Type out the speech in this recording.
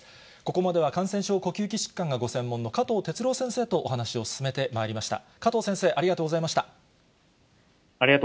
ここまでは感染症、呼吸器疾患がご専門の加藤哲朗先生とお話を進めてまいりました。